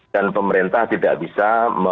dan pemerintah tidak bisa